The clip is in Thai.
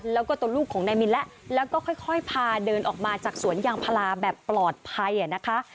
แล้วก็ตัวลูกของนายมินแล้วแล้วก็ค่อยพาเดินออกมาจากสวนยางพาราแบบปลอดภัยนะคะ